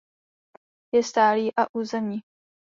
Je stálý a územní.